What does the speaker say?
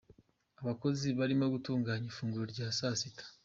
Abakozi barimo gutunganya ifunguro rya saa sita.